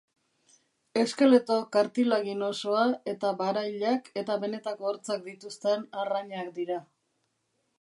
Eskeleto kartilaginosoa eta barailak eta benetako hortzak dituzten arrainak dira.